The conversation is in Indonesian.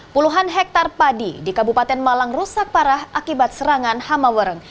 puluhan hektare padi di kabupaten malang rusak parah akibat serangan hamawereng